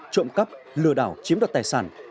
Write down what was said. trộm cắp lừa đảo chiếm đọt tài sản